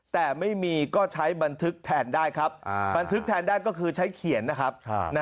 แต่ไม่มีก็ใช้บันทึกแทนได้ครับบันทึกแทนได้ก็คือใช้เขียนนะครับ